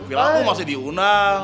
wilang pun masih diunang